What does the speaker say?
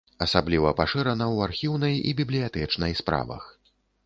Асабліва пашырана ў архіўнай і бібліятэчнай справах.